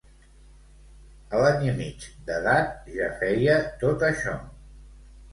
A l'any i mig d'edat ja feia tot això.